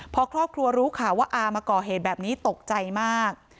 พอครอบครัวรู้ข่าวว่าอามาก่อเหตุแบบนี้ตกใจมาก